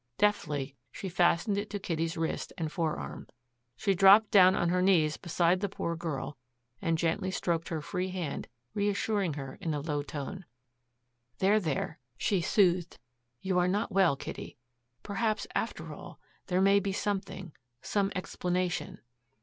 Deftly she fastened it to Kitty's wrist and forearm. She dropped down on her knees beside the poor girl, and gently stroked her free hand, reassuring her in a low tone. "There, there," she soothed. "You are not well, Kitty. Perhaps, after all, there may be something some explanation."